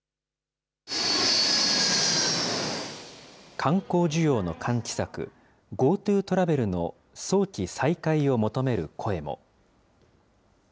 観光需要の喚起策、ＧｏＴｏトラベルの早期再開を求める声も。